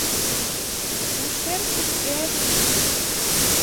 Hoe sterk is it gers op de dyk?